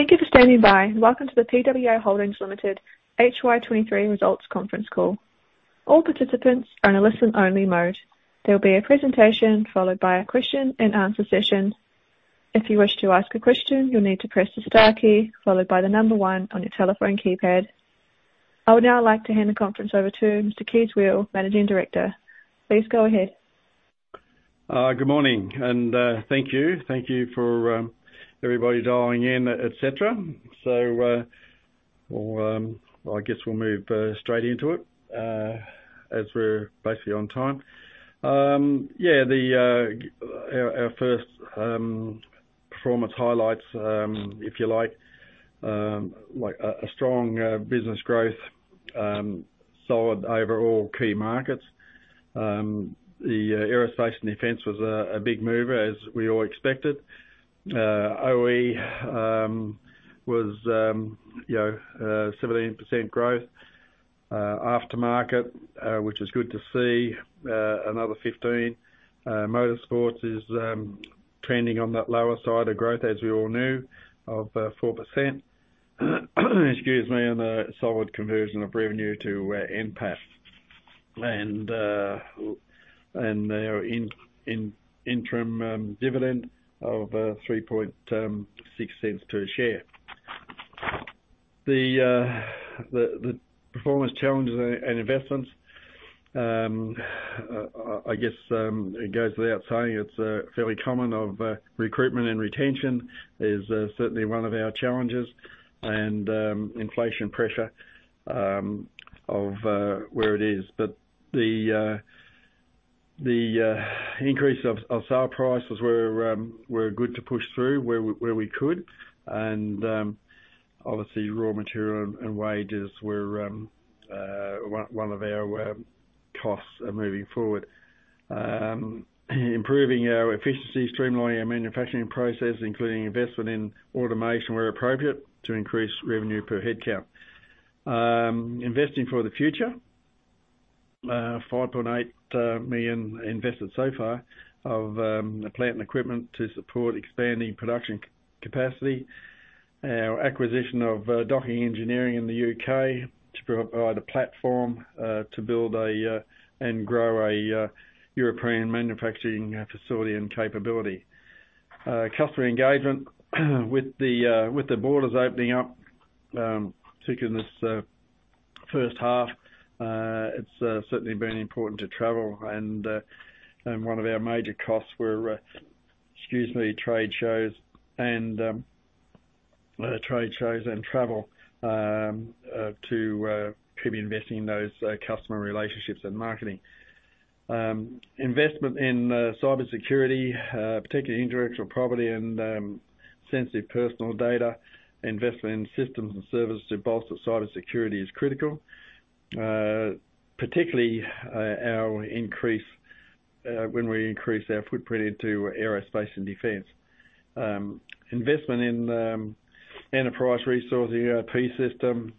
Thank you for standing by. Welcome to the PWR Holdings Limited HY23 results conference call. All participants are in a listen only mode. There will be a presentation followed by a question and answer session. If you wish to ask a question, you'll need to press the star key followed by the 1 on your telephone keypad. I would now like to hand the conference over to Mr. Kees Weel, Managing Director. Please go ahead. Good morning and thank you. Thank you for everybody dialing in, et cetera. We'll move straight into it as we're basically on time. The our first performance highlights, if you like a strong business growth, solid overall key markets. The aerospace and defense was a big mover, as we all expected. OE was 17% growth, after market, which is good to see, another 15%. Motorsports is trending on that lower side of growth, as we all knew, of 4%. On a solid conversion of revenue to NPAT. Our interim dividend of 3.6 cents per share. The performance challenges and investments. It goes without saying it's fairly common of recruitment and retention is certainly one of our challenges and inflation pressure of where it is. The increase of sale prices were good to push through where we could. Obviously raw material and wages were one of our costs moving forward. Improving our efficiency, streamlining our manufacturing process, including investment in automation where appropriate to increase revenue per headcount. Investing for the future, 5.8 million invested so far of plant and equipment to support expanding production capacity. Our acquisition of Docking Engineering in the UK to provide a platform to build and grow a European manufacturing facility and capability. Customer engagement, with the borders opening up, particularly this first half, it's certainly been important to travel and one of our major costs were trade shows and trade shows and travel to be investing in those customer relationships and marketing. Investment in cybersecurity, particularly intellectual property and sensitive personal data. Investment in systems and services to bolster cybersecurity is critical, particularly when we increase our footprint into aerospace and defense. Investment in enterprise resource ERP system.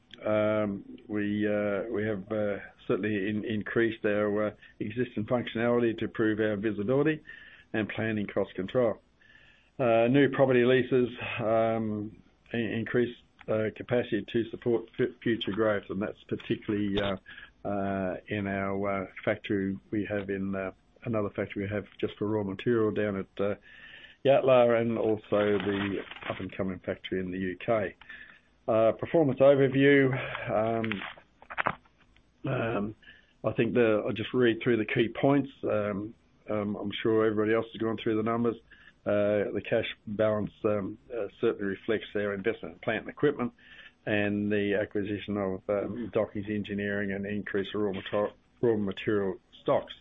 We have certainly increased our existing functionality to improve our visibility and planning cost control. That's particularly new property leases increase capacity to support future growth, and that's particularly in our factory we have in another factory we have just for raw material down at Yatala and also the up-and-coming factory in the UK. Performance overview. I'll just read through the key points. I'm sure everybody else has gone through the numbers. The cash balance certainly reflects our investment in plant and equipment and the acquisition of Docking Engineering and increased raw material stocks.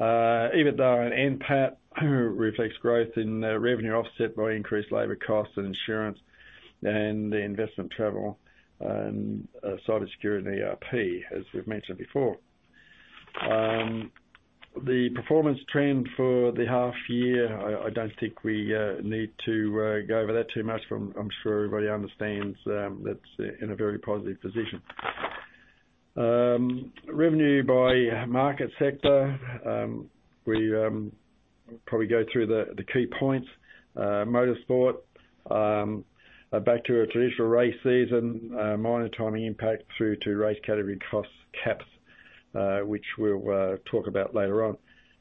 EBITDA and NPAT reflects growth in revenue offset by increased labor costs and insurance and the investment travel and cybersecurity and ERP, as we've mentioned before. The performance trend for the half year, I don't think we need to go over that too much. I'm sure everybody understands that's in a very positive position. Revenue by market sector. We probably go through the key points. Motorsport back to a traditional race season. Minor timing impact through to race category cost caps, which we'll talk about later on.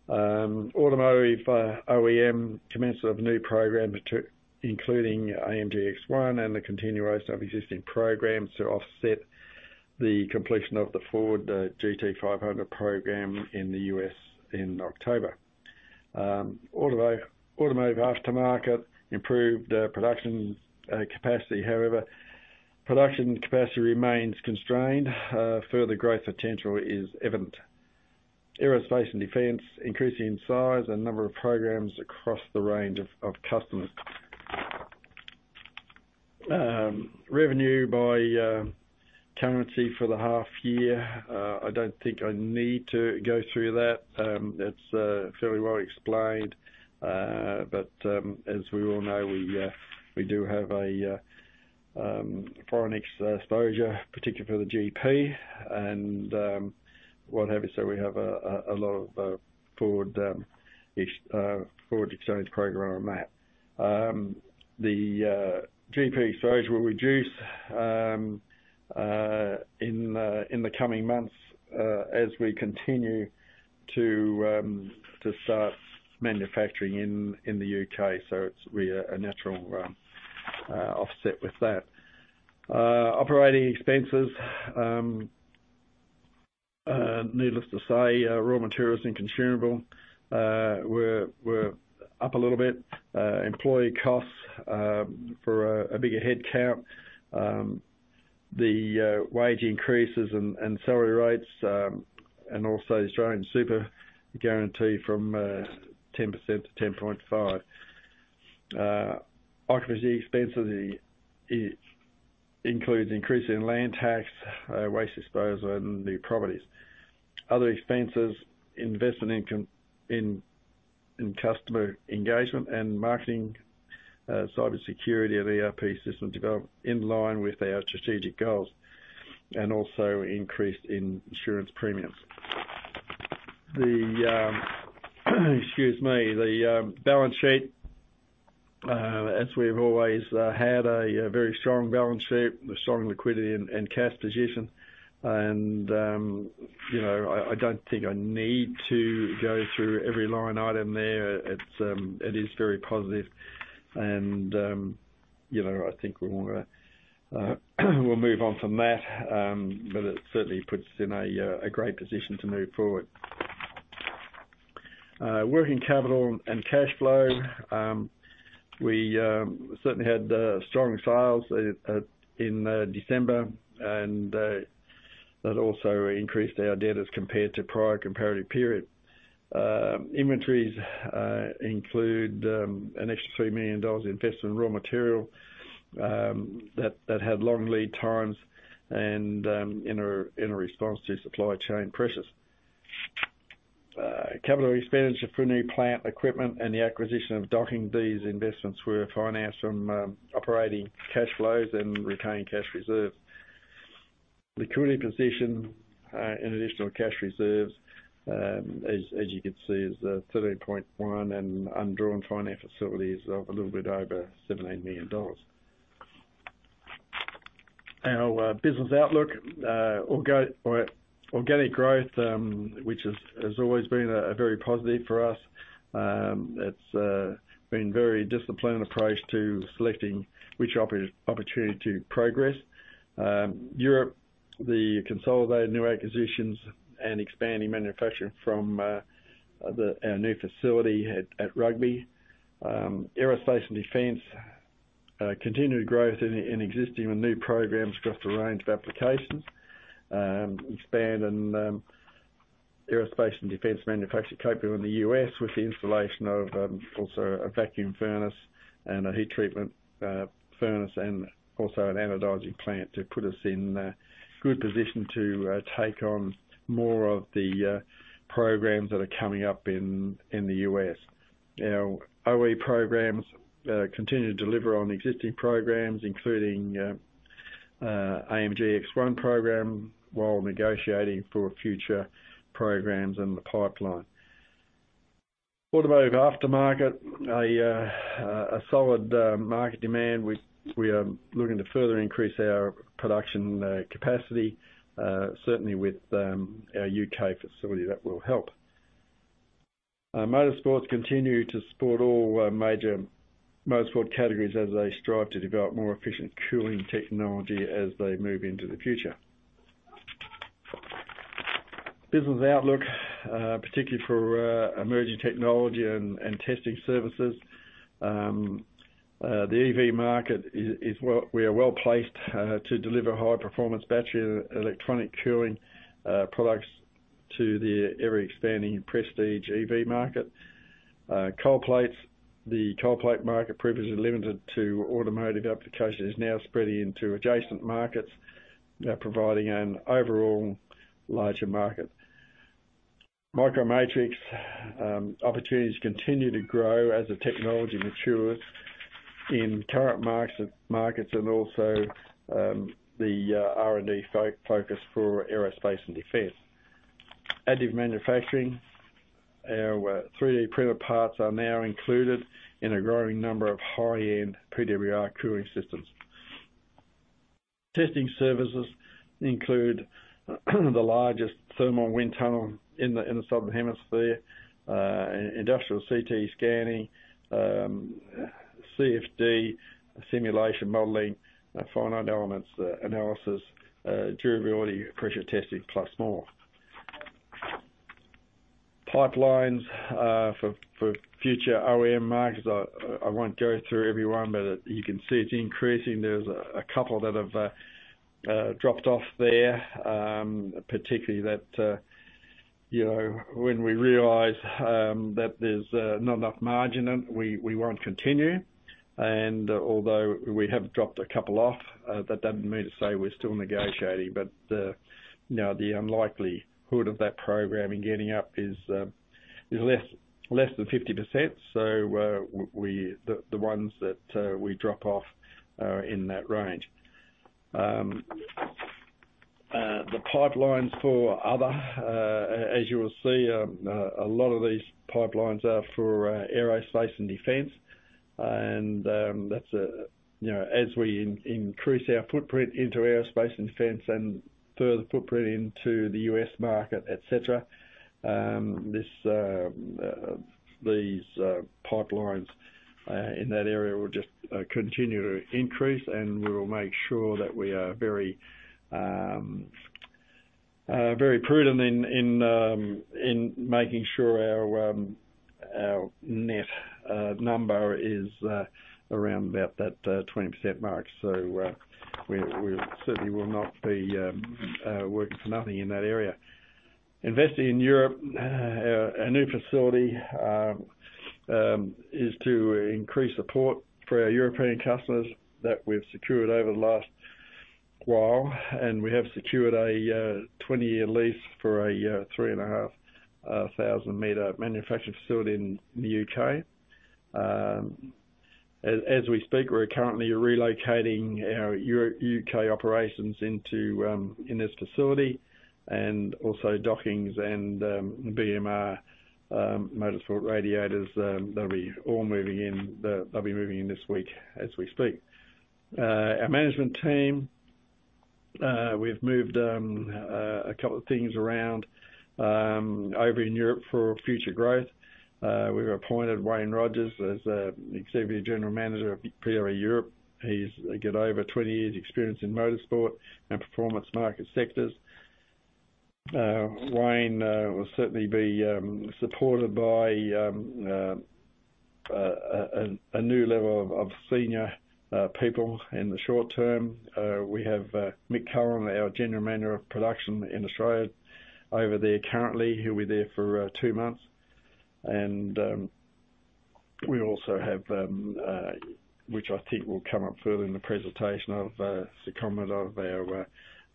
Automotive OEM commenced of new programs including AMG ONE and the continuation of existing programs to offset the completion of the Ford GT500 program in the US in October. Automotive aftermarket improved production capacity. However, production capacity remains constrained. Further growth potential is evident. Aerospace and defense increasing in size and number of programs across the range of customers. Revenue by currency for the half year. I don't think I need to go through that. It's fairly well explained, as we all know, we do have a foreign ex-exposure, particularly for the GP and what have you. We have a lot of forward exchange program on that. The GP storage will reduce in the coming months as we continue to start manufacturing in the UK. It's really a natural offset with that. Operating expenses. Needless to say, raw materials and consumable were up a little bit. Employee costs for a bigger headcount. The wage increases and salary rates, also Australian Superannuation Guarantee from 10% to 10.5%. Occupancy expenses includes increase in land tax, waste disposal in the properties. Other expenses, investment in customer engagement and marketing, cybersecurity and ERP system development in line with our strategic goals, also increase in insurance premiums. The balance sheet. As we've always had a very strong balance sheet with strong liquidity and cash position and I don't think I need to go through every line item there. It's very positive and I think we'll move on from that. It certainly puts us in a great position to move forward. Working capital and cash flow. We certainly had strong sales in December and that also increased our debtors compared to prior comparative period. Inventories include an extra 3 million dollars invested in raw material that had long lead times and in response to supply chain pressures. Capital expenditure for new plant equipment and the acquisition of Docking Engineering these investments were financed from operating cash flows and retained cash reserves. Liquidity position and additional cash reserves, you can see is 13.1, and undrawn finance facilities of a little bit over 17 million dollars. Our business outlook, organic growth, which has always been a very positive for us. It's been very disciplined approach to selecting which opportunity to progress. Europe, the consolidated new acquisitions and expanding manufacturing from our new facility at Rugby. Aerospace & defense, continued growth in existing and new programs across a range of applications. Expanding aerospace & defense manufacturing capability in the US with the installation of also a vacuum furnace and a heat treatment furnace and also an anodizing plant to put us in a good position to take on more of the programs that are coming up in the US. Our OE programs continue to deliver on existing programs, including AMGX ONE program while negotiating for future programs in the pipeline. Automotive aftermarket, a solid market demand. We are looking to further increase our production capacity, certainly with our UK facility that will help. Motorsports continue to support all major motorsport categories as they strive to develop more efficient cooling technology as they move into the future. Business outlook, particularly for emerging technology and testing services. We are well-placed to deliver high-performance battery and electronic cooling products to the ever-expanding prestige EV market. Cold plates. The cold plate market, previously limited to automotive applications, is now spreading into adjacent markets, providing an overall larger market. Micro Matrix, opportunities continue to grow as the technology matures in current markets and also the R&D focus for aerospace & defense. Additive manufacturing. Our 3D printed parts are now included in a growing number of high-end PWR cooling systems. Testing services include the largest thermal wind tunnel in the Southern Hemisphere. Industrial CT scanning, CFD simulation modeling, Finite Element Analysis, durability, pressure testing, plus more. Pipelines for future OEM markets. I won't go through every one, but you can see it's increasing. There's a couple that have dropped off there. Particularly that when we realize that there's not enough margin and we won't continue. Although we have dropped a couple off, that doesn't mean to say we're still negotiating. The,, the unlikelihood of that program in getting up is less than 50%. The ones that we drop off are in that range. The pipelines for other, as you will see, a lot of these pipelines are for aerospace and defense. As we increase our footprint into aerospace and defense and further footprint into the US market, et cetera, these pipelines in that area will just continue to increase, and we will make sure that we are very prudent in making sure our net number is around about that 20% mark. We certainly will not be working for nothing in that area. Investing in Europe. Our new facility is to increase support for our European customers that we've secured over the last while, and we have secured a 20-year lease for a 3,500-meter manufacturing facility in the UK As we speak, we're currently relocating our UK operations into this facility, and also Dockings and BMR, Motorsport Radiators, they'll be all moving in this week as we speak. Our management team, we've moved a couple of things around over in Europe for future growth. We've appointed Wayne Rogers as Executive General Manager of PWR Europe. He's got over 20 years experience in motorsport and performance market sectors. Wayne will certainly be supported by a new level of senior people in the short term. We have Mick Cullen, our General Manager of Production in Australia over there currently. He'll be there for 2 months. We also have, which will come up further in the presentation, a secondment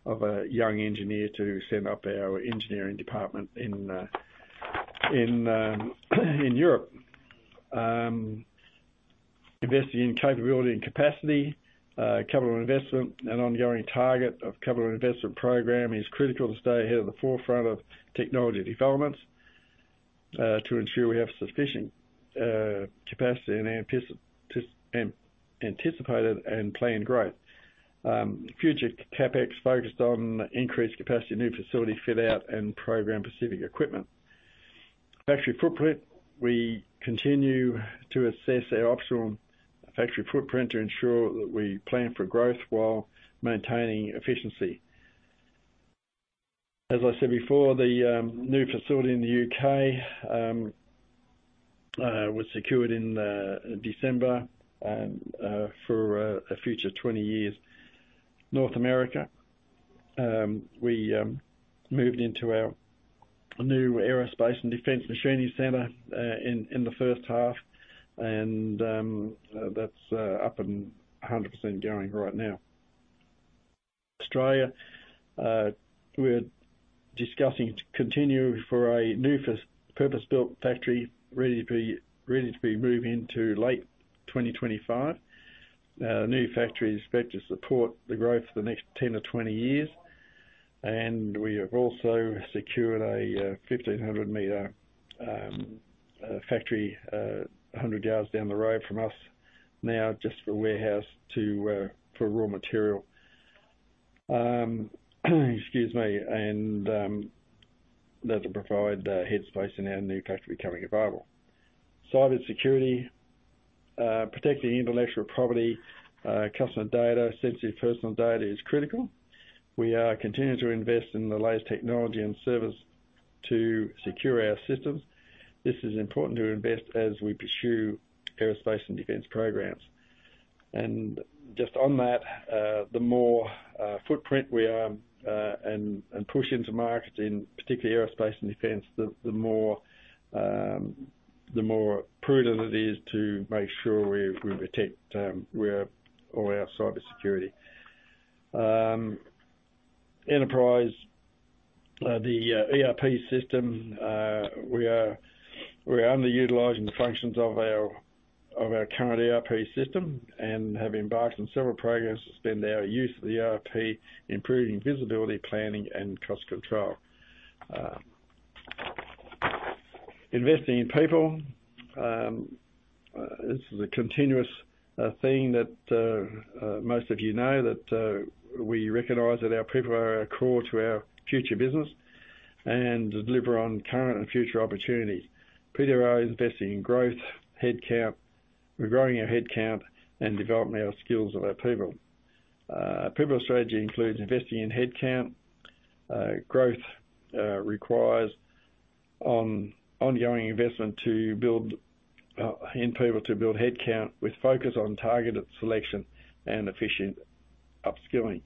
of a young engineer to set up our engineering department in Europe. Investing in capability and capacity. Capital investment. An ongoing target of capital investment program is critical to stay ahead of the forefront of technology developments to ensure we have sufficient capacity in anticipated and planned growth. Future CapEx focused on increased capacity, new facility fit-out and program-specific equipment. Factory footprint. We continue to assess our optional factory footprint to ensure that we plan for growth while maintaining efficiency. As I said before, the new facility in the UK was secured in December for a future 20 years. North America. We moved into our new aerospace and defense machining center in the first half, and that's up and 100% going right now. Australia, we're discussing continuing for a new purpose-built factory ready to be moved into late 2025. New factory is expected to support the growth for the next 10-20 years. We have also secured a 1,500 meter factory 100 yards down the road from us now just for warehouse for raw material. That'll provide headspace in our new factory becoming available. Cyber security. Protecting intellectual property, customer data, sensitive personal data is critical. We are continuing to invest in the latest technology and service to secure our systems. This is important to invest as we pursue aerospace and defense programs. Just on that, the more footprint we are, and push into market in particularly aerospace and defense the more prudent it is to make sure we protect all our cybersecurity. Enterprise, the ERP system. We are underutilizing the functions of our current ERP system and have embarked on several programs to extend our use of the ERP, improving visibility, planning and cost control. Investing in people. This is a continuous theme that most of that we recognize that our people are our core to our future business and deliver on current and future opportunities. PWR is investing in growth, headcount. We're growing our headcount and developing our skills of our people. People strategy includes investing in headcount. Growth requires ongoing investment to build in people to build headcount with focus on targeted selection and efficient upskilling.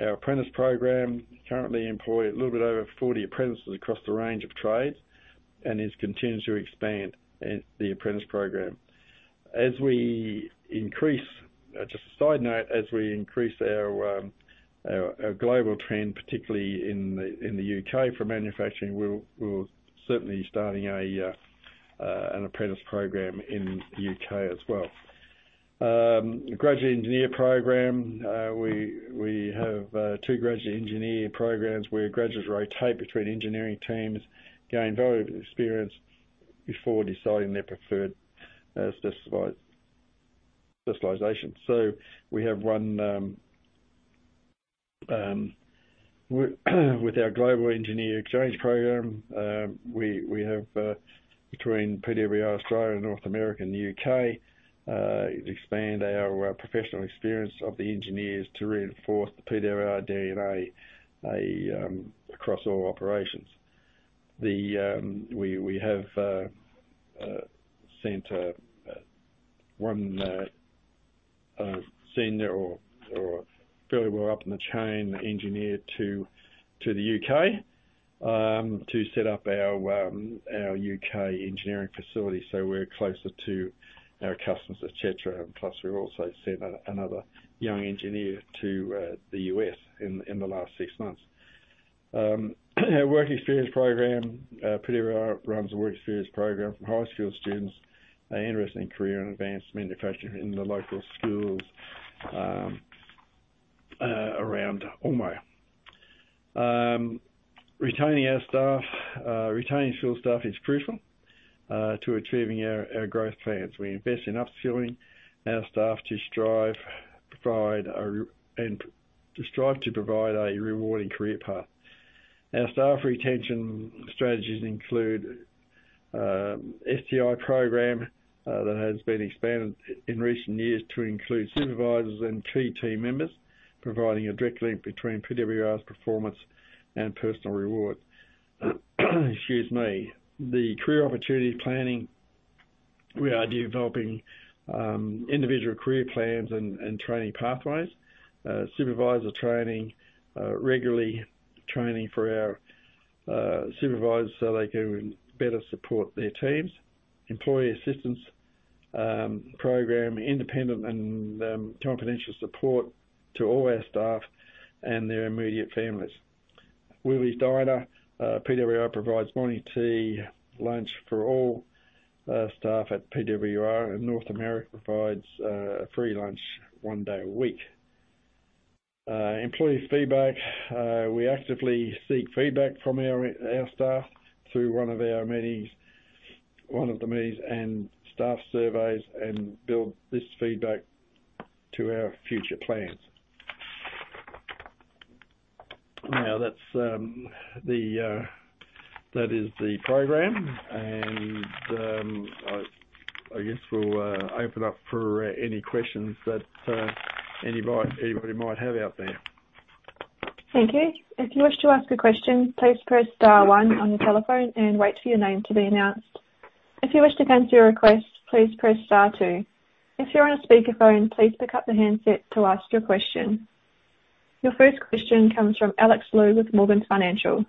Our apprentice program currently employ a little bit over 40 apprentices across the range of trades and is continuing to expand in the apprentice program. As we increase, just a side note, as we increase our global trend, particularly in the UK for manufacturing, we're certainly starting an apprentice program in the UK as well. Graduate engineer program, we have two graduate engineer programs where graduates rotate between engineering teams, gain valuable experience before deciding their preferred specialization. We have one- With our global engineer exchange program, we have between PWR Australia, North America, and the UK, expand our professional experience of the engineers to reinforce the PWR DNA across all operations. We have sent one senior or fairly well up in the chain engineer to the UK to set up our UK engineering facility so we're closer to our customers et cetera. We've also sent another young engineer to the US in the last six months. Work experience program, PWR runs a work experience program for high school students interested in career and advanced manufacturing in the local schools around Ormeau. Retaining our staff, retaining field staff is crucial to achieving our growth plans. We invest in upskilling our staff to and to strive to provide a rewarding career path. Our staff retention strategies include STI program that has been expanded in recent years to include supervisors and key team members, providing a direct link between PWR's performance and personal reward. The career opportunities planning, we are developing individual career plans and training pathways. Supervisor training, regularly training for our supervisors, so they can better support their teams. Employee assistance program, independent and confidential support to all our staff and their immediate families. Willie's Diner, PWR provides morning tea, lunch for all staff at PWR, and North America provides free lunch one day a week. Employees feedback, we actively seek feedback from our staff through one of the meetings and staff surveys and build this feedback to our future plans. That is the program, I guess we'll open up for any questions that anybody might have out there. Thank you. If you wish to ask a question, please press star one on your telephone and wait for your name to be announced. If you wish to cancel your request, please press star two. If you're on a speakerphone, please pick up the handset to ask your question. Your first question comes from Alex Liu with Morgan Stanley.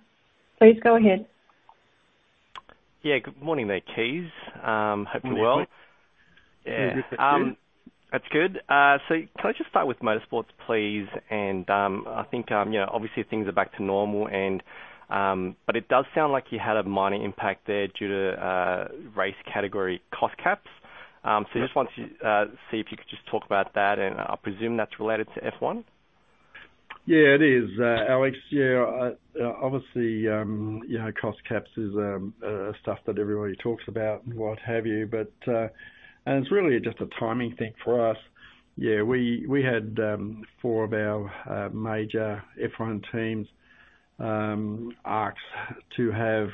Please go ahead. Good morning there, Kees Weel. hope you're well. Good, Alex Liu. Yeah. You're good too? That's good. Can I just start with Motorsports, please? obviously things are back to normal and it does sound like you had a minor impact there due to race category cost caps. Just want to see if you could just talk about that and I presume that's related to F1? Yeah, it is, Alex Liu. Yeah, obviously,, cost caps is stuff that everybody talks about and what have you. It's really just a timing thing for us. Yeah, we had four of our major F1 teams ask to have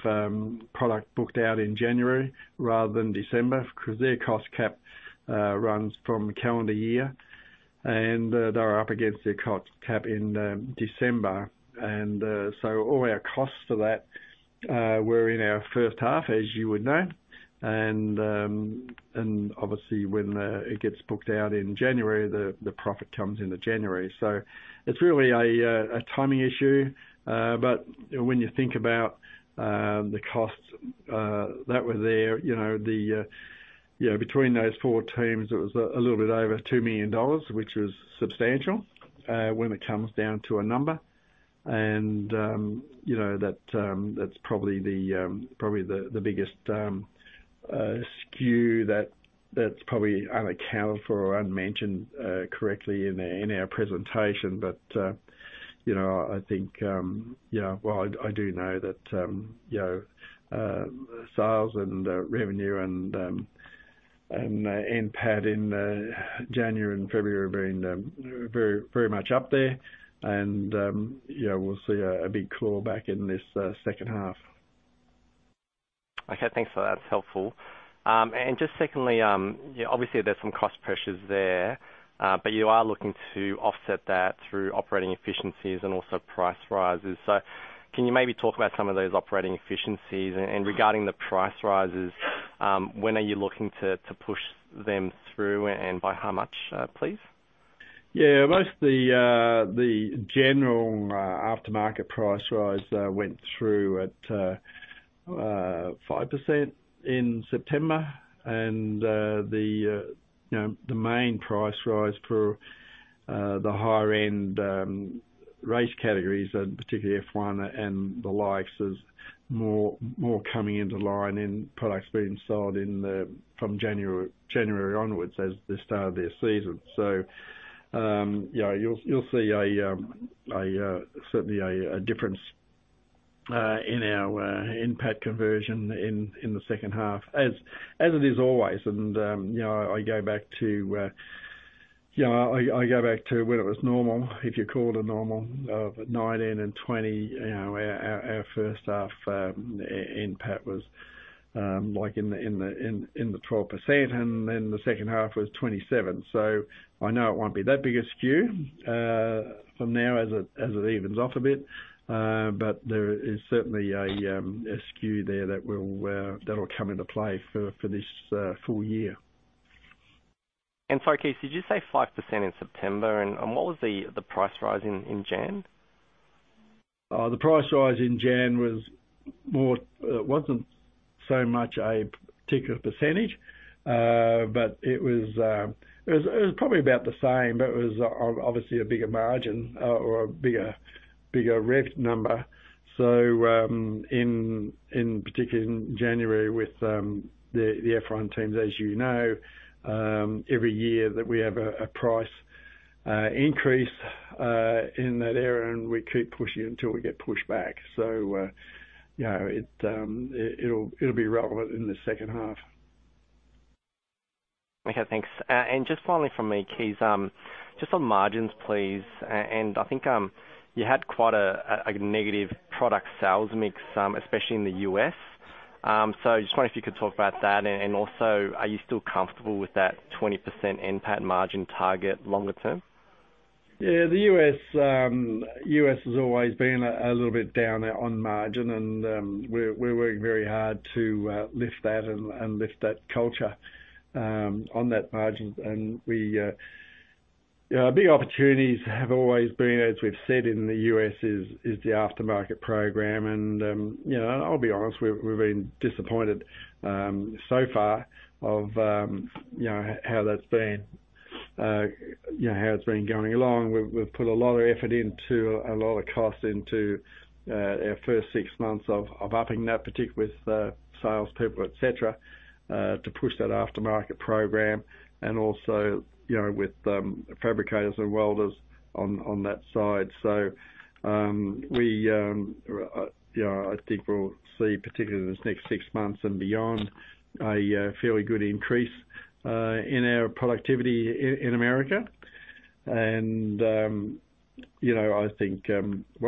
product booked out in January rather than December because their cost cap runs from calendar year and they're up against their cost cap in December. All our costs for that were in our first half, as you would know. Obviously when it gets booked out in January, the profit comes into January. It's really a timing issue. When you think about the costs that were there between those four teams, it was a little bit over 2 million dollars, which was substantial when it comes down to a number., that's probably the biggest skew that's probably unaccounted for or unmentioned correctly in our presentation. I do know tha sales and revenue and NPAT in January and February have been very, very much up there. We'll see a big clawback in this second half. hanks for that. It's helpful. just secondly, obviously there's some cost pressures there. but you are looking to offset that through operating efficiencies and also price rises. Can you maybe talk about some of those operating efficiencies? Regarding the price rises, when are you looking to push them through and by how much, please? Most of the general aftermarket price rise went through at 5% in September. The main price rise for the higher end race categories and particularly F1 and the likes, is more coming into line and products being sold in the, from January onwards as the start of their season. You'll see a certainly a difference in our NPAT conversion in the second half as it is always. I go back to when it was normal, if you call it a normal, of 2019 and 2020. Our first half NPAT was like in the 12%. The second half was 27%. I know it won't be that big a skew from now as it evens off a bit. There is certainly a skew there that will that'll come into play for this full year. Sorry, Kees Weel, did you say 5% in September? And what was the price rise in January? The price rise in January was more. It wasn't so much a particular percentage, but it was probably about the same, but it was obviously a bigger margin, or a bigger rev number. In particular in January with the F1 teams, as, every year that we have a price increase in that area and we keep pushing until we get pushback. It'll be relevant in the second half. Okay, thanks. Just finally from me, Kees Weel, just on margins please? You had quite a negative product sales mix, especially in the US Just wonder if you could talk about that? Also, are you still comfortable with that 20% NPAT margin target longer term? The US has always been a little bit down there on margin, and we're working very hard to lift that and lift that culture on that margin. Our big opportunities have always been, as we've said in the US is the aftermarket program, and I'll be honest, we've been disappointed so far of how that's been how it's been going along. We've put a lot of effort into, a lot of cost into our first six months of upping that, particularly with salespeople, et cetera, to push that aftermarket program and also with fabricators and welders on that side. We I think we'll see, particularly in this next six months and beyond, a fairly good increase in our productivity in America. What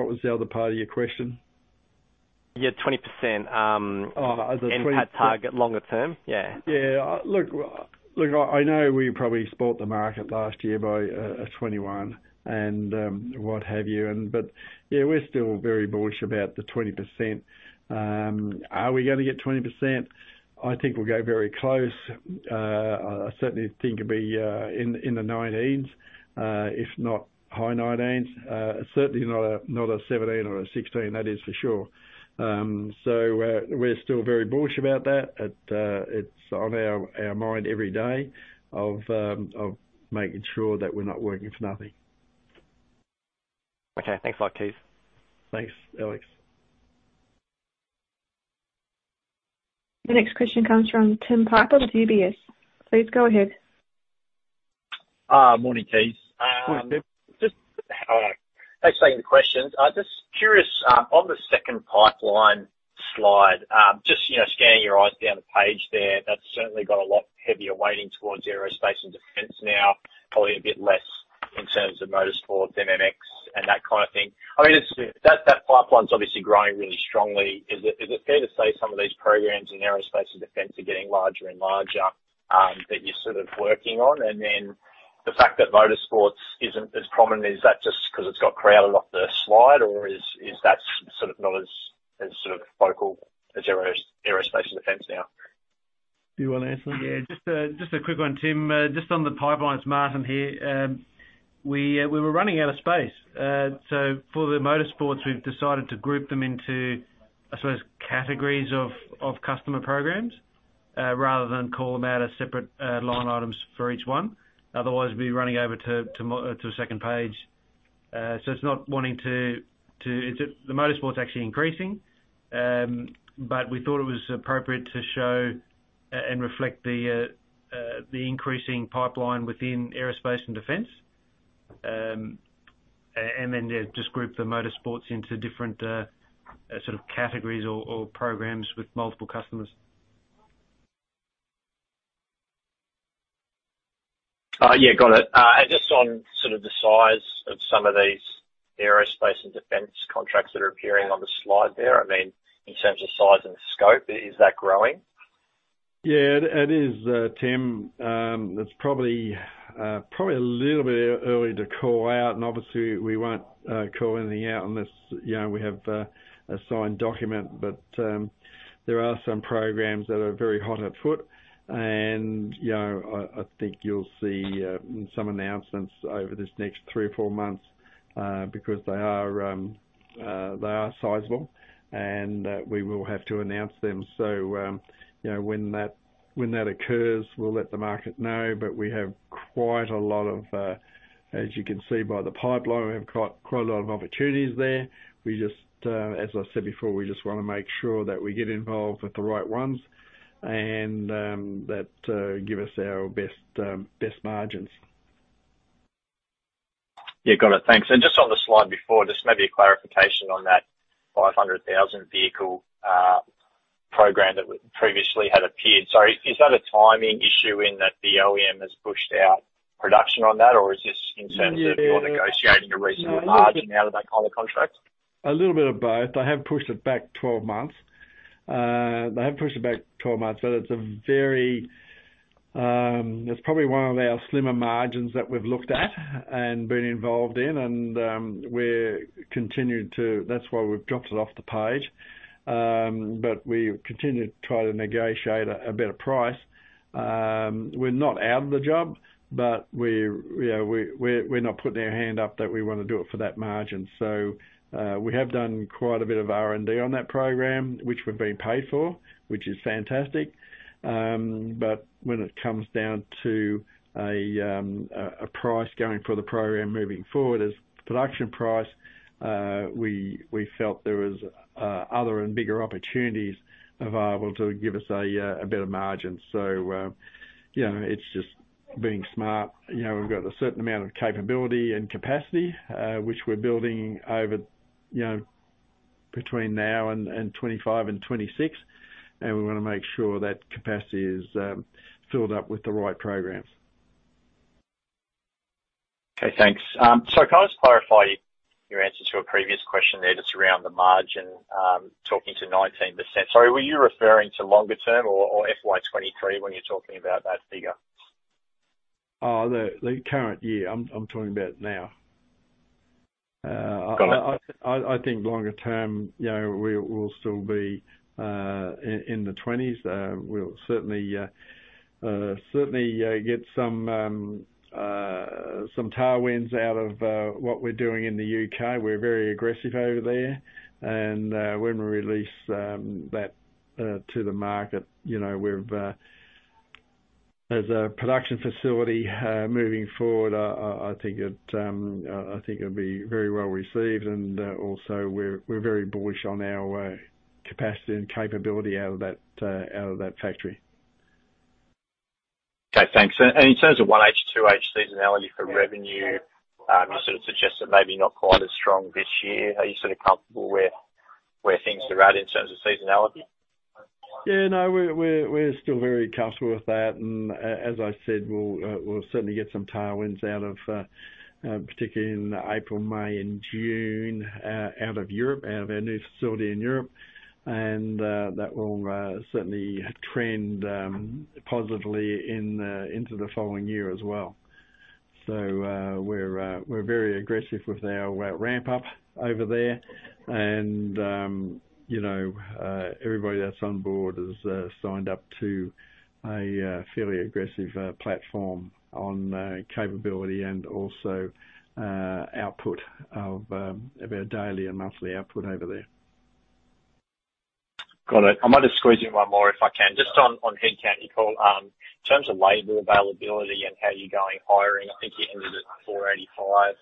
was the other part of your question? Yeah, 20%. Oh, the twenty- NPAT target longer term. Yeah. Look, I know we probably spoiled the market last year by a 21 and what have you. We're still very bullish about the 20%. Are we going to get 20%? I certainly think it'll be in the nine eights, if not high nine eights. Certainly not a 17 or a 16, that is for sure. We're still very bullish about that. It's on our mind every day of making sure that we're not working for nothing. Okay. Thanks a lot, Kees Weel. Thanks, Alex. The next question comes from Tim Parker with UBS. Please go ahead. Morning, Kees Weel. Morning, Tim Parker. Hello. Thanks for taking the questions. I'm just curious on the second pipeline slide, just scanning your eyes down the page there, that's certainly got a lot heavier weighting towards aerospace and defense now, probably a bit less in terms of motorsport than MX and that kind of thing. That pipeline's obviously growing really strongly. Is it fair to say some of these programs in aerospace and defense are getting larger and larger that you're sort of working on? The fact that motorsports isn't as prominent, is that just 'cause it's got crowded off the slide? Or is that sort of not as focal as aerospace and defense now? You wanna answer? Tim parker just on the pipelines, Martin here. We were running out of space. For the motorsports, we've decided to group them into, I suppose, categories of customer programs, rather than call them out as separate, line items for each one. Otherwise, we'd be running over to a second page. It's not wanting to, It's just the motorsport's actually increasing. We thought it was appropriate to show and reflect the increasing pipeline within aerospace and defense. Just group the motorsports into different categories or programs with multiple customers. Got it. Just on sort of the size of some of these aerospace and defense contracts that are appearing on the slide there, in terms of size and scope, is that growing? Yeah, it is, Tim Parker. It's probably a little bit early to call out, and obviously we won't call anything out unless,, we have a signed document. There are some programs that are very hot at foot and you'll see some announcements over this next three or four months, because they are sizable and we will have to announce them. When that occurs, we'll let the market know. We have quite a lot of, as you can see by the pipeline, we have quite a lot of opportunities there. We just, as I said before, we just want to make sure that we get involved with the right ones and that give us our best margins. Yeah. Got it. Thanks. Just on the slide before, just maybe a clarification on that 500,000 vehicle program that previously had appeared. Is that a timing issue in that the OEM has pushed out production on that? Or is this in terms of you're negotiating a reasonable margin out of that kind of contract? A little bit of both. They have pushed it back 12 months. They have pushed it back 12 months. It's probably one of our slimmer margins that we've looked at and been involved in. That's why we've dropped it off the page. We continue to try to negotiate a better price. We're not out of the job, but we're not putting our hand up that we want to do it for that margin. We have done quite a bit of R&D on that program, which we're being paid for, which is fantastic. When it comes down to a price going for the program moving forward as production price, we felt there was other and bigger opportunities available to give us a better margin. It's just being smart. We've got a certain amount of capability and capacity, which we're building over, between now and 2025 and 2026, and we wanna make sure that capacity is filled up with the right programs. Okay. Thanks. Can I just clarify your answer to a previous question there, just around the margin, talking to 19%. Sorry, were you referring to longer term or FY23 when you're talking about that figure? The current year. I'm talking about now. Got it. I think longer term we'll still be in the twenties. We'll certainly certainly get some tailwinds out of what we're doing in the UK. We're very aggressive over there, and when we release that to the market as a production facility moving forward, It'll be very well received. Also, we're very bullish on our capacity and capability out of that out of that factory. Okay. Thanks. In terms of one H, two H seasonality for revenue, you suggested maybe not quite as strong this year. Are you comfortable where things are at in terms of seasonality? No, we're still very comfortable with that. As I said, we'll certainly get some tailwinds out of particularly in April, May and June, out of Europe, out of our new facility in Europe. That will certainly trend positively into the following year as well. We're very aggressive with our ramp up over there and everybody that's on board is signed up to a fairly aggressive platform on capability and also output of our daily and monthly output over there. Got it. I might just squeeze in one more if I can. Just on headcount, Nicole. In terms of labor availability and how you're going hiring, I think you ended at 485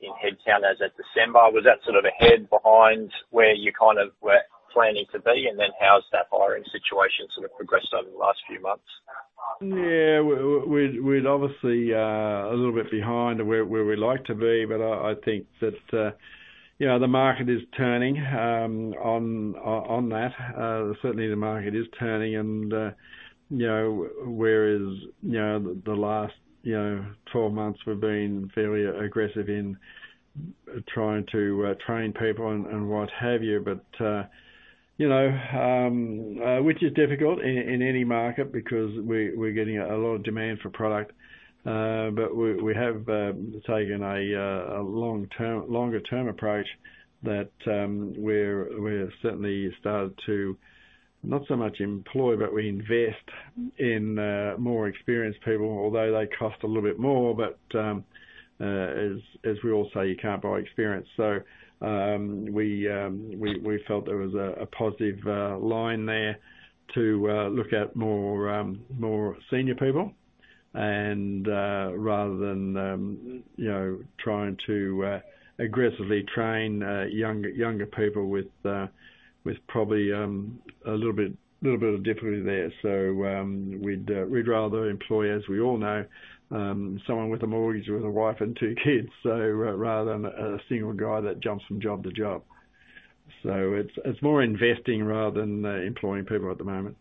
in headcount as at December. Was that sort of ahead, behind where you kind of were planning to be? Then how's that hiring situation sort of progressed over the last few months? We'd obviously a little bit behind where we'd like to be, but I think that,, the market is turning on that. Certainly the market is turning and whereas the last 12 months we've been fairly aggressive in trying to train people and what have you. which is difficult in any market because we're getting a lot of demand for product. we have taken a long term, longer term approach that we're certainly started to not so much employ, but we invest in more experienced people, although they cost a little bit more. As we all say, you can't buy experience. We felt there was a positive line there to look at more senior people and rather than trying to aggressively train younger people with probably a little bit of difficulty there. We'd rather employ, as we all know, someone with a mortgage, with a wife and 2 kids, rather than a single guy that jumps from job to job. It's more investing rather than employing people at the moment.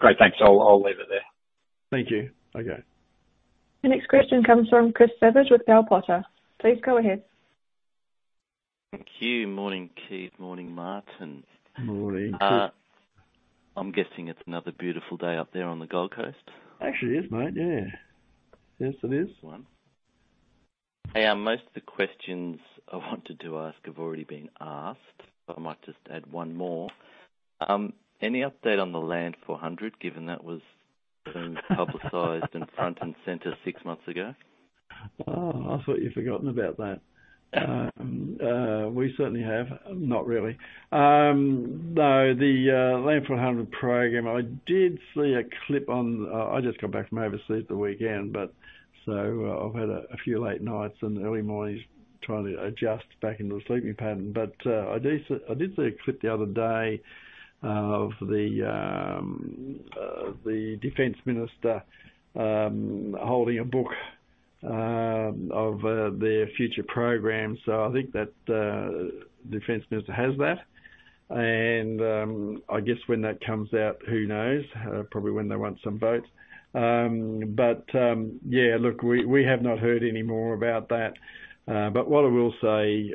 Great. Thanks. I'll leave it there. Thank you. Okay. The next question comes from Chris Savage with Bell Potter. Please go ahead. Thank you. Morning, Kees Weel. Morning, Martin McIver. Morning. I'm guessing it's another beautiful day up there on the Gold Coast. Actually is, mate. Yes, it is nice one. Hey, most of the questions I wanted to ask have already been asked. I might just add one more. Any update on the Land 400, given that was being publicized and front and center six months ago? Oh, I thought you'd forgotten about that. We certainly have. Not really. No. The Land 400 program, I did see a clip on... I just got back from overseas the weekend, but so I've had a few late nights and early mornings trying to adjust back into a sleeping pattern. I did see a clip the other day of the Defense Minister holding a book of their future programs. I think that the Defense Minister has that. I guess when that comes out, who knows? Probably when they want some votes. We have not heard any more about that. What I will say,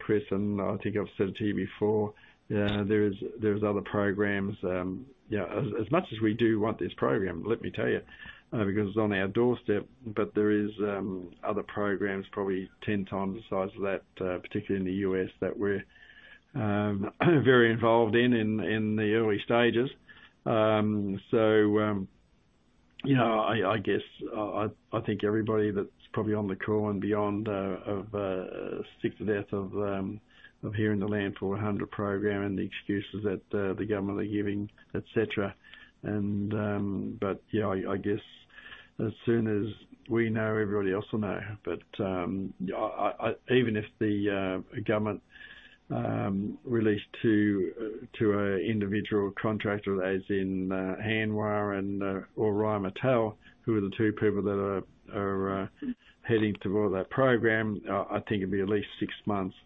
Chris Savage, and I think I've said it to you before, there is other programs. Yeah, as much as we do want this program, let me tell you, because it's on our doorstep, but there is other programs probably 10 times the size of that, particularly in the US, that we're very involved in the early stages. Everybody that's probably on the call and beyond, sick to death of hearing the Land 400 program and the excuses that the government are giving, et cetera. As soon as we know, everybody else will know. Even if the government released to a individual contractor, as in Hanwha and or Rheinmetall, who are the two people that are heading to build that program, I think it'd be at least six months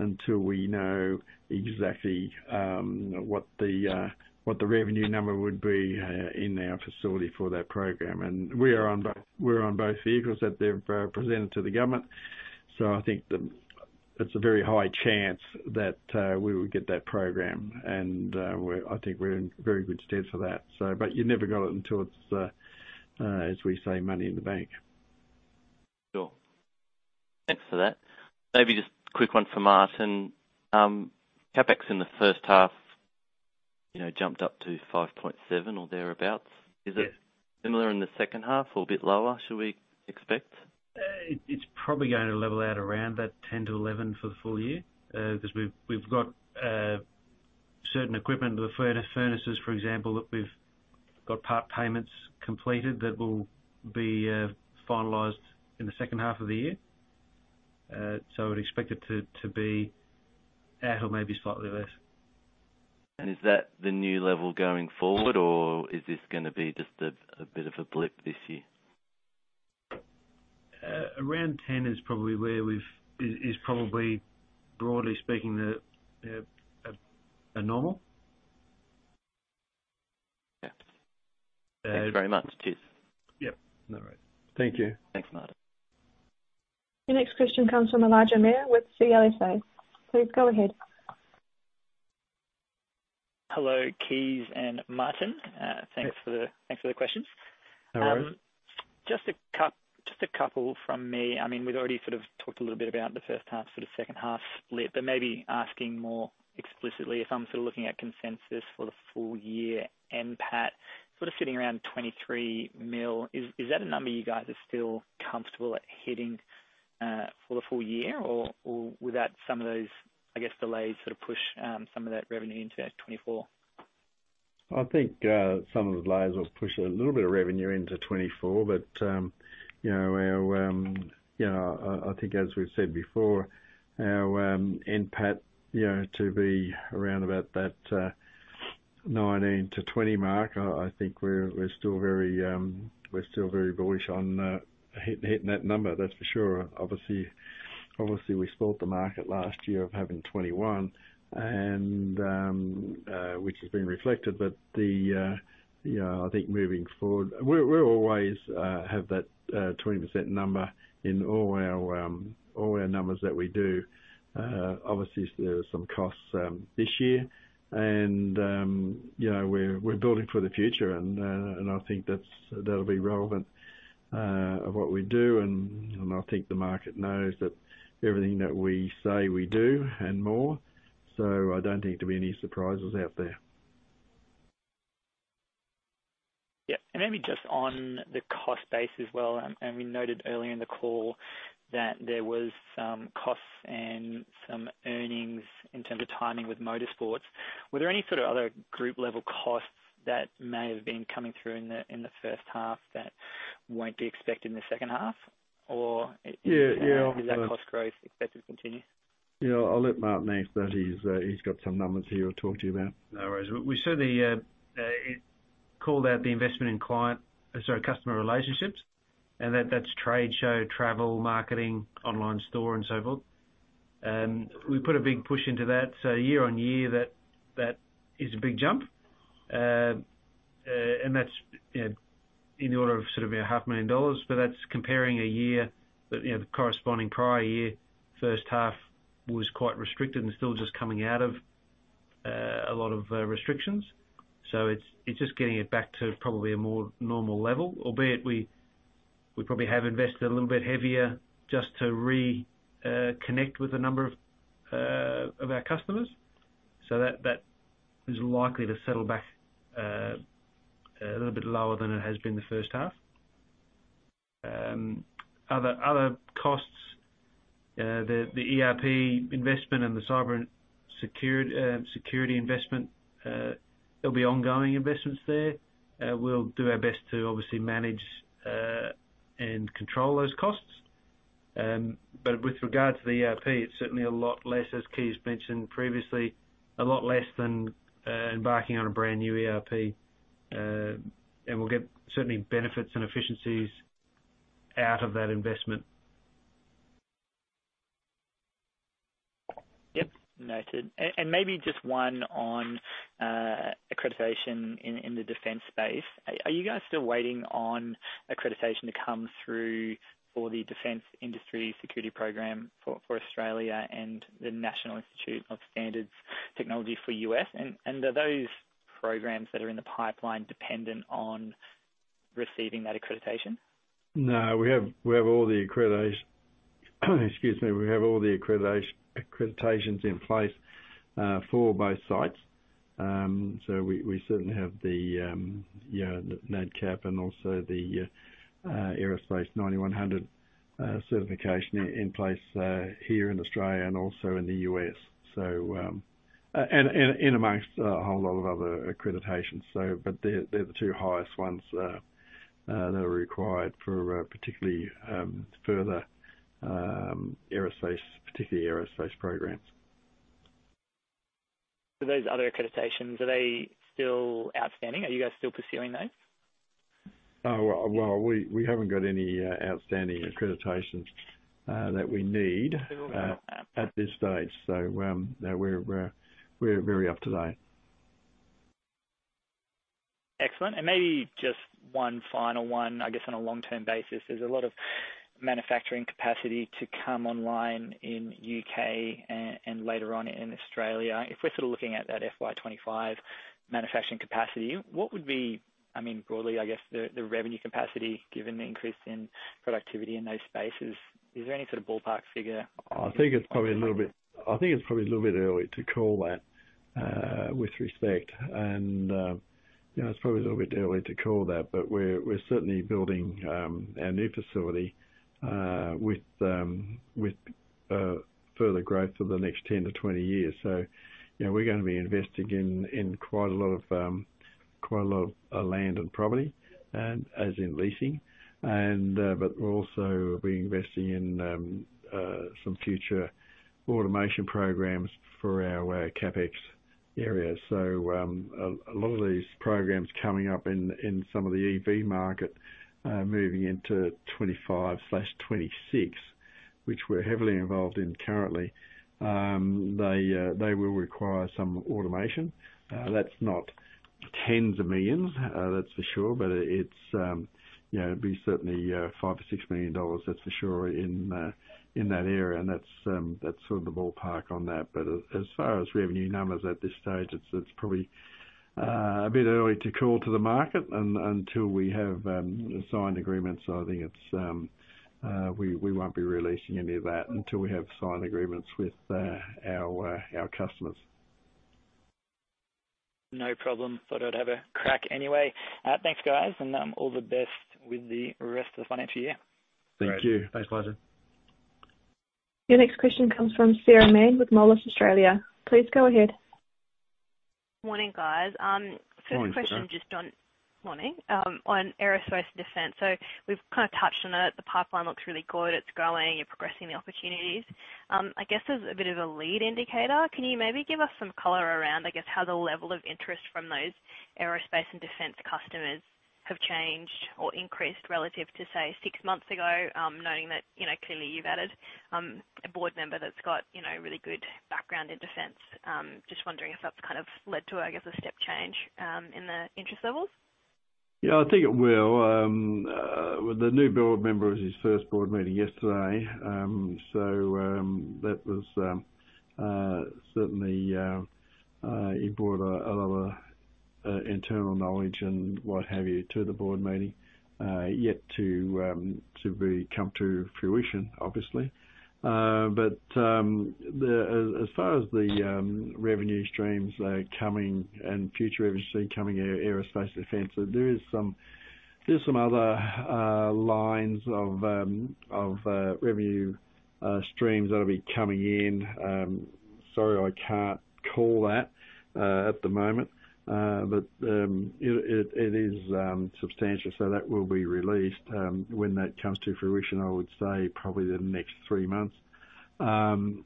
until we know exactly what the revenue number would be in our facility for that program. We're on both vehicles that they've presented to the government. It's a very high chance that we would get that program. We're in very good stead for that. You never got it until it's as we say, money in the bank. Sure. Thanks for that. Maybe just a quick one for Martin McIver, CapEx in the first half jumped up to 5.7 or thereabout. Is it similar in the second half or a bit lower, should we expect? It's probably going to level out around that 10-11 for the full year, because we've got certain equipment, the furnaces, for example, that we've got part payments completed that will be finalized in the second half of the year. I would expect it to be at or maybe slightly less. Is that the new level going forward, or is this going to be just a bit of a blip this year? Around 10 is probably, broadly speaking, the a normal. Thanks very much. Cheers. Yep. No worries. Thank you. Thanks, Martin McIver. Your next question comes from Lachlan Shaw with CLSA. Please go ahead. Hello, Kees Weel and Martin McIver. Thanks for the questions. No worries. Just a couple from me. We've already sort of talked a little bit about the first half, sort of second half split, but maybe asking more explicitly if I'm sort of looking at consensus for the full year NPAT, sort of sitting around 23 million. Is that a number you guys are still comfortable at hitting for the full year? Or would that some of those, I guess, delays sort of push some of that revenue into 2024? Some of the delays will push a little bit of revenue into 2024 our I think as we've said before, our NPAT to be around about that 19-20 mark, I think we're still very bullish on hitting that number, that's for sure. Obviously we spoiled the market last year of having 21 which has been reflected. Moving forward, we're always have that 20% number in all our numbers that we do. Obviously there are some costs this year and we're building for the future and that'll be relevant of what we do and I think the market knows that everything that we say we do and more, so I don't think there'll be any surprises out there. Maybe just on the cost base as well. We noted earlier in the call that there was some costs and some earnings in terms of timing with Motorsports. Were there any sort of other group level costs that may have been coming through in the first half that won't be expected in the second half? Yeah, yeah. Is that cost growth expected to continue? Yeah, I'll let Martin McIver answer that. He's got some numbers here I'll talk to you about. No worries. We saw the called out the investment in customer relationships, and that's trade show, travel, marketing, online store and so forth. We put a big push into that. Year-over-year that is a big jump. And that's in the order of sort of a half million dollars, but that's comparing a year that the corresponding prior year first half was quite restricted and still just coming out of a lot of restrictions. It's just getting it back to probably a more normal level, albeit we probably have invested a little bit heavier just to reconnect with a number of our customers. That, that is likely to settle back a little bit lower than it has been the first half. Other costs, the ERP investment and the cybersecurity investment, there'll be ongoing investments there. We'll do our best to obviously manage and control those costs. With regard to the ERP, it's certainly a lot less, as Kees Weel mentioned previously, a lot less than embarking on a brand new ERP. We'll get certainly benefits and efficiencies out of that investment. Noted. Maybe just one on accreditation in the defense space. Are you guys still waiting on accreditation to come through for the Defense Industry Security Program for Australia and the National Institute of Standards and Technology for US? Are those programs that are in the pipeline dependent on receiving that accreditation? No, we have, we have all the excuse me, we have all the accreditations in place for both sites. We certainly have the NADCAP and also the AS9100 certification in place here in Australia and also in the US Amongst a whole lot of other accreditations. They're the two highest ones that are required for particularly further aerospace, particularly aerospace programs. Those other accreditations, are they still outstanding? Are you guys still pursuing those? We haven't got any outstanding accreditations that we need at this stage. No, we're very up to date. Excellent. Maybe just one final one, I guess on a long-term basis. There's a lot of manufacturing capacity to come online in UK and later on in Australia. If we're sort of looking at that FY 2025 manufacturing capacity, what would be, Broadly, the revenue capacity, given the increase in productivity in those spaces. Is there any ballpark figure? It's probably a little bit early to call that with respect. It's probably a little bit early to call that, but we're certainly building our new facility with with further growth for the next 10-20 years. We're going to be investing in quite a lot of quite a lot of land and property as in leasing. We'll also be investing in some future automation programs for our CapEx area. A lot of these programs coming up in some of the EV market moving into 2025/2026, which we're heavily involved in currently. They they will require some automation. That's not tens of millions, that's for sure. It's would be certainly 5 million-6 million dollars, that's for sure in that area. That's sort of the ballpark on that. As far as revenue numbers at this stage, it's probably a bit early to call to the market until we have signed agreements. It's, we won't be releasing any of that until we have signed agreements with our customers. No problem. Thought I'd have a crack anyway. Thanks, guys, and all the best with the rest of the financial year. Thank you. Your next question comes from Sarah Shaw with Moelis Australia. Please go ahead. Morning, guys. Morning, Sarah Shaw. First question, just on. Morning. On aerospace and defense. We've touched on it. The pipeline looks really good. It's growing. You're progressing the opportunities. I guess as a bit of a lead indicator, can you maybe give us some color around, I guess, how the level of interest from those aerospace and defense customers have changed or increased relative to, say, 6 months ago? Noting that clearly you've added a board member that's got really good background in defense. Just wondering if that's led to a step change in the interest levels. I think it will. The new board member, it was his first board meeting yesterday. That was certainly he brought a lot of internal knowledge and what have you to the board meeting, yet to really come to fruition, obviously. As far as the revenue streams coming and future revenue stream coming aerospace defense, there is some, there's some other lines of revenue streams that'll be coming in. Sorry, I can't call that at the moment. It is substantial, so that will be released when that comes to fruition, I would say probably in the next three months. The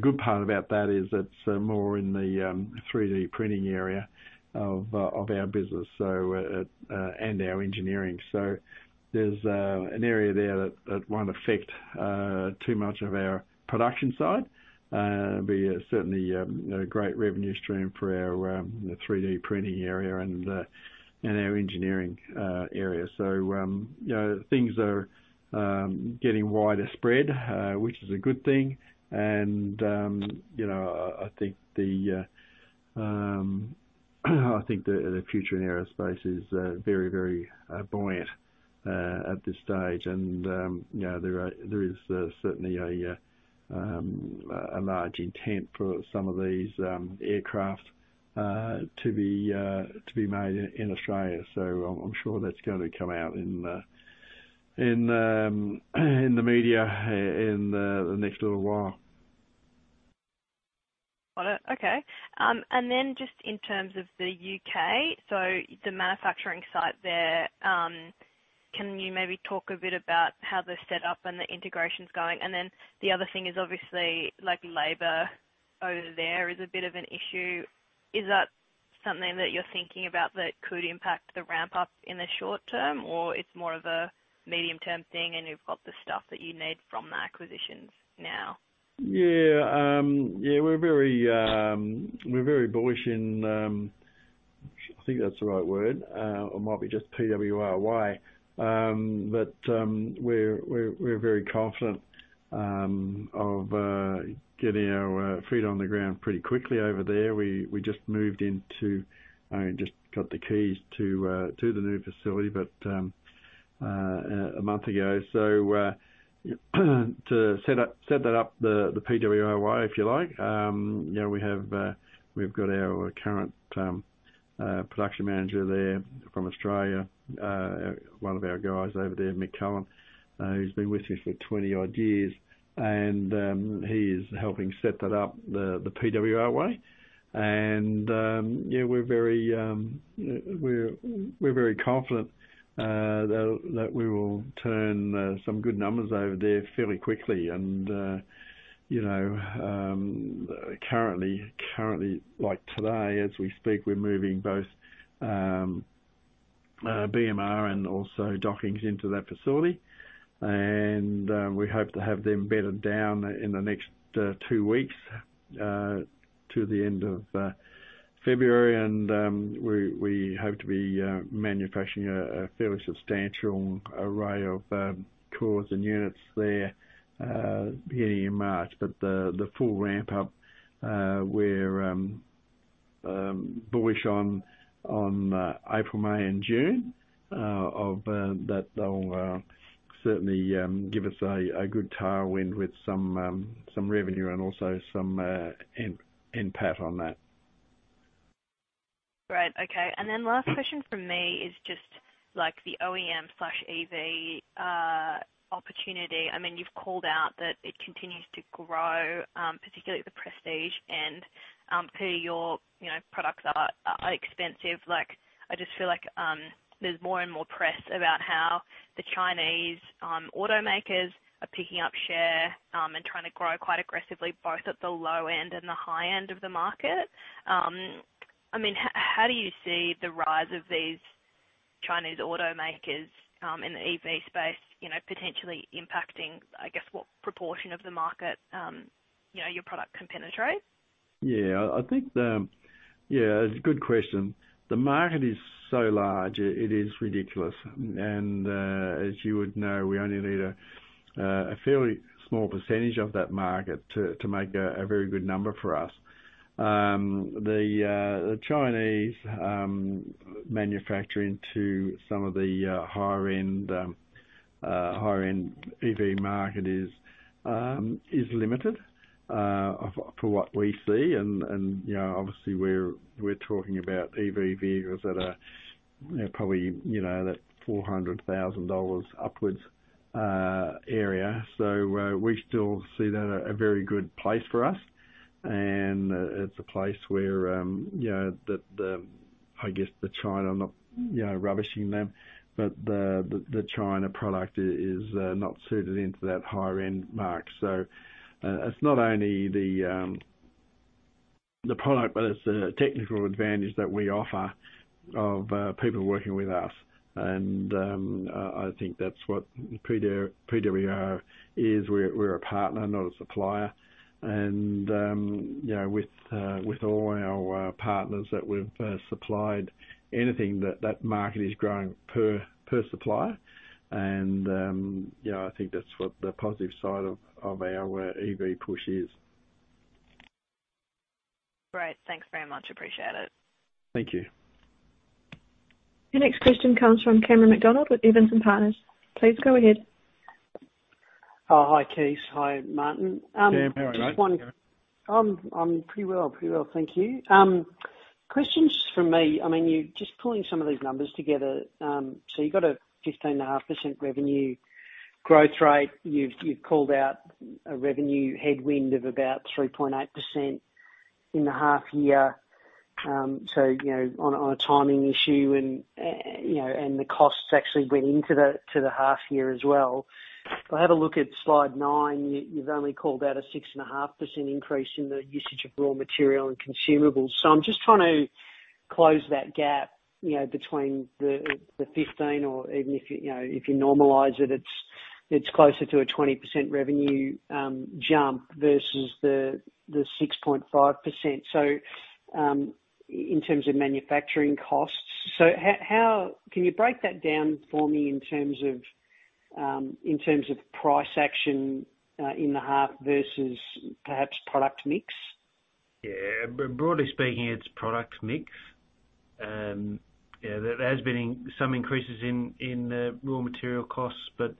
good part about that is it's more in the 3D printing area of our business, and our engineering. There's an area there that won't affect too much of our production side. Certainly great revenue stream for our the 3D printing area and our engineering area. Things are getting wider spread, which is a good thing., I think the future in aerospace is very, very buoyant. At this stage andthere is certainly a large intent for some of these aircraft to be made in Australia. I'm sure that's going to come out in the media in the next little while. Got it. Okay. Just in terms of the UK, so the manufacturing site there, can you maybe talk a bit about how they're set up and the integration's going? The other thing is obviously like labor over there is a bit of an issue. Is that something that you're thinking about that could impact the ramp up in the short term? Or it's more of a medium term thing and you've got the stuff that you need from the acquisitions now? We're very bullish in, that's the right word. It might be just PWR. We're very confident of getting our feet on the ground pretty quickly over there. We just moved into, just got the keys to the new facility a month ago. To set that up the PWR, if you like we've got our current production manager there from Australia, one of our guys over there, Mick Cullen, who's been with us for 20 odd years and he is helping set that up the PWR way. Confident that we will turn some good numbers over there fairly quickly. , currently, like today as we speak, we're moving both BMR and also Docking Engineering into that facility. We hope to have them bedded down in the next 2 weeks to the end of February. We hope to be manufacturing a fairly substantial array of cores and units there beginning in March. But the full ramp up, we're bullish on April, May, and June, that they'll certainly give us a good tailwind with some revenue and also some NPAT on that. Great. Okay. Last question from me is just like the OEM/EV opportunity. I mean, you've called out that it continues to grow, particularly at the prestige end. per your products are expensive.I just feel there's more and more press about how the Chinese automakers are picking up share and trying to grow quite aggressively, both at the low end and the high end of the market. How do you see the rise of these Chinese automakers in the EV space potentially impacting, what proportion of the market your product can penetrate? Yeah, it's a good question. The market is so large, it is ridiculous. As you would know, we only need a fairly small percentage of that market to make a very good number for us. The Chinese manufacturing to some of the higher end EV market is limited for what we see., obviously we're talking about EV vehicles that are probably that 400,000 dollars upwards area. We still see that a very good place for us. It's a place where the China, I'm not rubbishing them, but the China product is not suited into that higher end mark. It's not only the product, but it's the technical advantage that we offer of people working with us. That's what PWR is. We're a partner, not a supplier. With all our partners that we've supplied anything that market is growing per supplier. I think that's what the positive side of our EV push is. Great. Thanks very much. Appreciate it. Thank you. Your next question comes from Cameron McDonald with Evans and Partners. Please go ahead. Oh, hi, Kees Weel. Hi, Martin McIver. Cameron McDonald, how are you? Just wondering... I'm pretty well. Pretty well, thank you. Questions from me, you're just pulling some of these numbers together. You've got a 15.5% revenue growth rate. You've called out a revenue headwind of about 3.8% in the half year. On a timing issue and,, and the costs actually went into the half year as well. If I have a look at slide 9, you've only called out a 6.5% increase in the usage of raw material and consumables. I'm just trying to close that gap,, between the 15 or even if you normalize it's closer to a 20% revenue jump versus the 6.5%. In terms of manufacturing costs. Can you break that down for me in terms of, in terms of price action, in the half versus perhaps product mix? Yeah, broadly speaking, it's product mix. Yeah, there has been some increases in raw material costs, but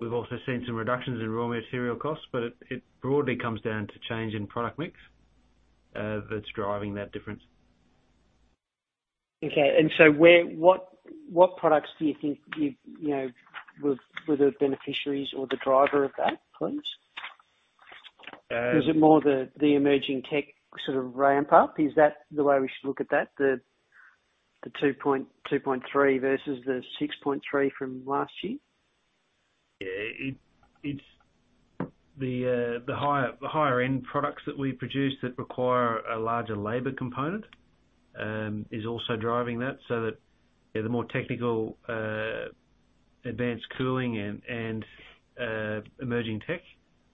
we've also seen some reductions in raw material costs. It broadly comes down to change in product mix, that's driving that difference. Okay. What products do you think you've, were the beneficiaries or the driver of that, please? Is it more the emerging tech sort of ramp up? Is that the way we should look at that, the 2.3 versus the 6.3 from last year? Yeah. It's the higher end products that we produce that require a larger labor component, is also driving that. Yeah, the more technical, advanced cooling and emerging tech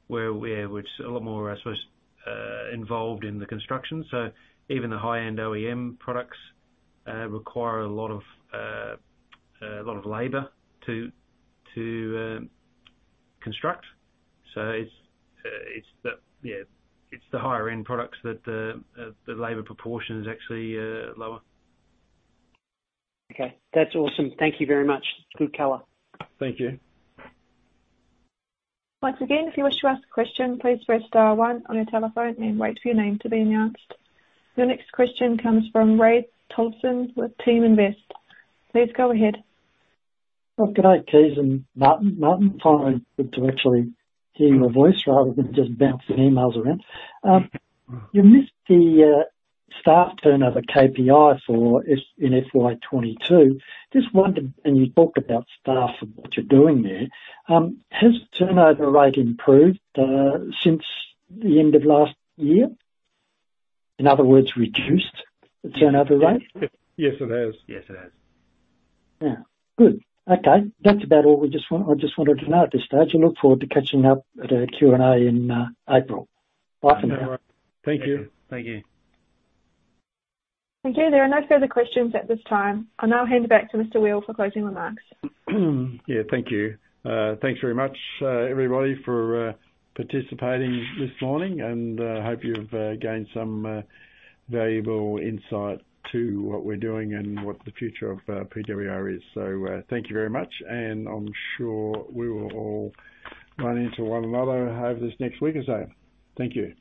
where it's a lot more, I suppose, involved in the construction. Even the high-end OEM products, require a lot of labor to construct. It's the higher end products that the labor proportion is actually lower. Okay. That's awesome. Thank you very much. Good color. Thank you. Once again, if you wish to ask a question, please press star one on your telephone and wait for your name to be announced. Your next question comes from Roy Tolson with TeamInvest. Please go ahead. Good day, Kees Weel and Martin McIver. Martin McIver, finally good to actually hear your voice rather than just bouncing emails around. You missed the staff turnover KPI in FY22. Just wondered, and you talked about staff and what you're doing there, has turnover rate improved since the end of last year? In other words, reduced the turnover rate? Yes, it has. Yes, it has. Yeah. Good. Okay. That's about all I just wanted to know at this stage and look forward to catching up at Q&A in April. Bye for now. No worries. Thank you. Thank you. Thank you. There are no further questions at this time. I'll now hand it back to Mr. Kees Weel for closing remarks. Yeah. Thank you. Thanks very much, everybody, for participating this morning and hope you've gained some valuable insight to what we're doing and what the future of PWR is. Thank you very much, and I'm sure we will all run into one another over this next week or so. Thank you.